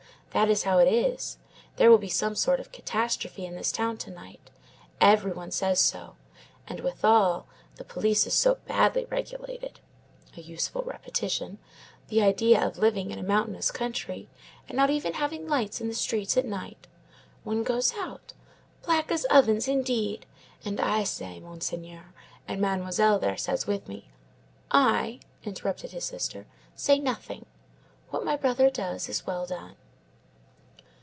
That is how it is. There will be some sort of catastrophe in this town to night. Every one says so. And withal, the police is so badly regulated" (a useful repetition). "The idea of living in a mountainous country, and not even having lights in the streets at night! One goes out. Black as ovens, indeed! And I say, Monseigneur, and Mademoiselle there says with me—" "I," interrupted his sister, "say nothing. What my brother does is well done."